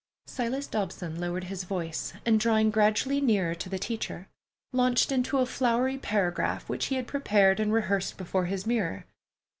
Silas Dobson lowered his voice and, drawing gradually nearer to the teacher, launched into a flowery paragraph which he had prepared and rehearsed before his mirror.